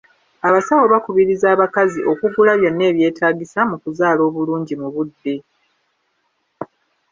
Abasawo bakubiriza abakazi okugula byonna ebyetaagisa mu kuzaala obulungi mu budde.